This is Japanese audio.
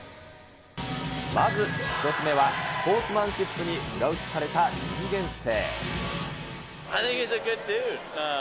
まず１つ目はスポーツマンシップに裏打ちされた人間性。